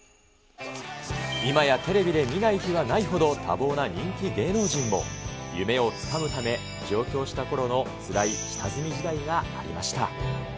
いまやテレビで見ない日はないほど、多忙な人気芸能人も、夢をつかむため、上京したころのつらい下積み時代がありました。